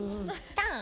タン！